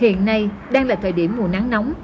hiện nay đang là thời điểm mùa nắng nóng